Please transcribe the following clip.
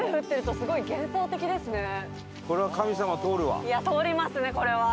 いや通りますねこれは。